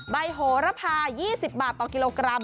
โหระพา๒๐บาทต่อกิโลกรัม